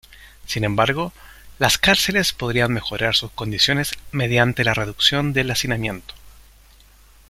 Sin embargo, las cárceles podrían mejorar sus condiciones mediante la reducción del hacinamiento.